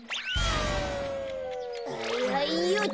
はいはいよっと。